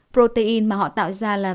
protein mà họ tạo ra là